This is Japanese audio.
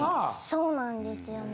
そうなんですよね。